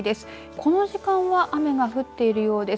この時間は雨が降っているようです。